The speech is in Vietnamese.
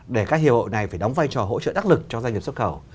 để các hiệp hội này phải đóng vai trò hỗ trợ đắc lực cho doanh nghiệp xuất khẩu